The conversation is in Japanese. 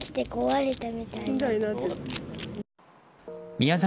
宮崎